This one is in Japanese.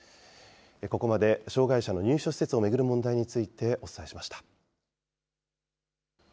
ここまで、障害者の入所施設を巡る問題について、お伝えしました。